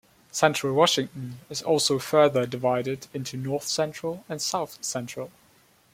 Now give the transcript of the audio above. Central Washington is also further divided into North Central and South Central.